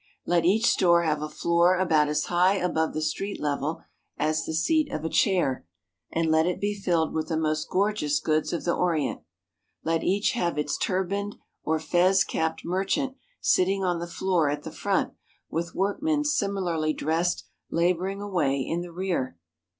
Let each store have a floor about as high above the street level as the seat of a chair, and let it be filled with the most gorgeous goods of the Orient. Let each have its turbaned or fez capped merchant sitting on the floor at the front, with workmen similarly dressed labouring away in the rear.